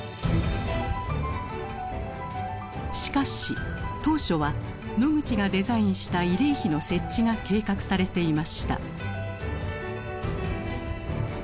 しかし当初はノグチがデザインした慰霊碑の設置が計画されていました。